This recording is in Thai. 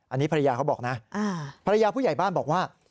อันนี้ภรรยาเขาบอกนะภรรยาผู้ใหญ่บ้านบอกว่า